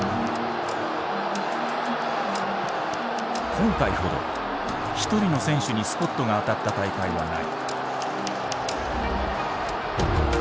今回ほどひとりの選手にスポットが当たった大会はない。